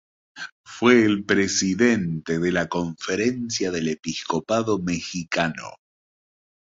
Fue presidente de la Conferencia del Episcopado Mexicano.